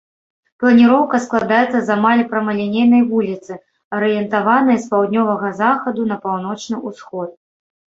Планіроўка складаецца з амаль прамалінейнай вуліцы, арыентаванай з паўднёвага захаду на паўночны ўсход.